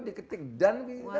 diketik dan bisa